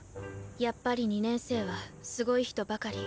やっぱり２年生はすごい人ばかり。